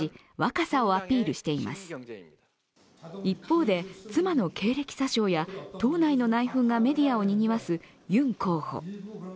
一方で、妻の経歴詐称や党内の内紛がメディアをにぎわすユン候補。